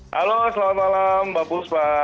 halo selamat malam mbak puspa